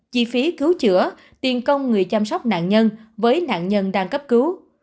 chi phí cứu chữa tiền công người chăm sóc nạn nhân với nạn nhân đang cấp cứu